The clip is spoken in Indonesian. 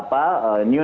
oke pak wali kota